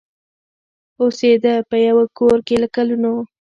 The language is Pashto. اوسېده په یوه کورکي له کلونو